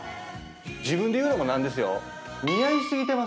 自分で言うのも何ですよ。